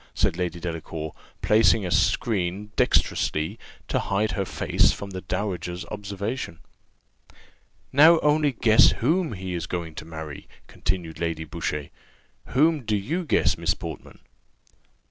said Lady Delacour, placing a skreen, dexterously, to hide her face from the dowager's observation. "Now only guess whom he is going to marry," continued Lady Boucher: "whom do you guess, Miss Portman?"